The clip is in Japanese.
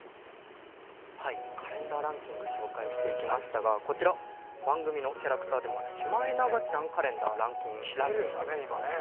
カレンダーランキング紹介してきましたがこちら、番組のキャラクターでもあるシマエナガちゃんカレンダー、ランクインしています。